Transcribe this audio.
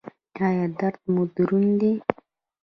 ایا درد مو دروند دی؟